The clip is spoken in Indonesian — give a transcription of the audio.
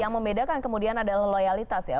yang membedakan kemudian adalah loyalitas ya